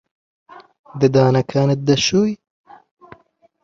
ددانەکانت دەشۆی؟